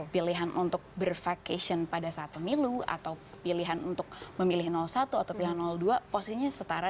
pilihan untuk berfacation pada saat pemilu atau pilihan untuk memilih satu atau pilihan dua posisinya setara